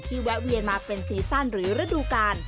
แวะเวียนมาเป็นซีซั่นหรือฤดูกาล